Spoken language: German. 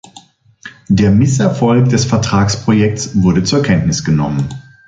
Der Misserfolg des Vertragsprojekts wurde zur Kenntnis genommen.